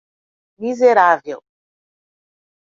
Miserável